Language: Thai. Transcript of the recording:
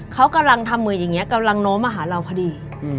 เขากำลังทำมืออย่างนี้กำลังโน้มมาหาเราพอดี